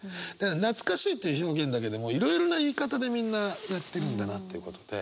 懐かしいって表現だけでもいろいろな言い方でみんなやってるんだなということで。